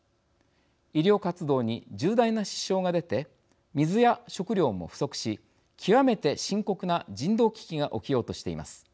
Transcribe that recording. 医療活動に重大な支障が出て水や食料も不足し極めて深刻な人道危機が起きようとしています。